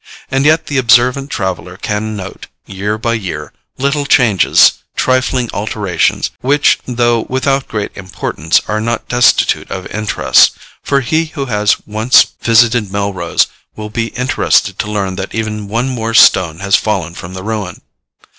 And yet the observant traveller can note, year by year, little changes, trifling alterations, which, though without great importance, are not destitute of interest; for he who has once visited Melrose, will be interested to learn that even one more stone has fallen from the ruin.